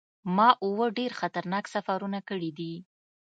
ما اووه ډیر خطرناک سفرونه کړي دي.